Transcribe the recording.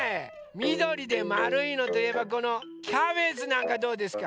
みどりでまるいのといえばこのキャベツなんかどうですか？